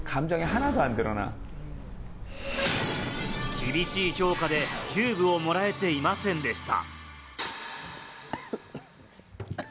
厳しい評価でキューブをもらえていませんでした。